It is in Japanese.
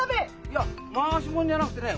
いや回し者じゃなくてね